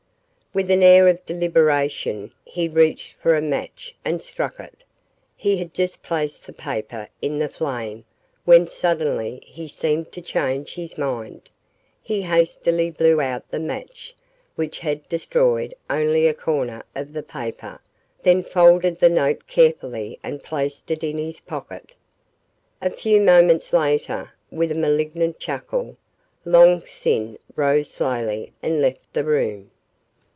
With an air of deliberation, he reached for a match and struck it. He had just placed the paper in the flame when suddenly he seemed to change his mind. He hastily blew out the match which had destroyed only a corner of the paper, then folded the note carefully and placed it in his pocket. A few moments later, with a malignant chuckle, Long Sin rose slowly and left the room.